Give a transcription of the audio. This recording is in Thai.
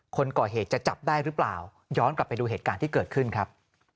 คนก่อเหตุจะจับได้หรือเปล่าย้อนกลับไปดูเหตุการณ์ที่เกิดขึ้นครับ